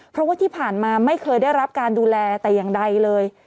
เพราะว่าที่ผ่านมาไม่เคยได้รับการดูแลแต่อย่างใดเลย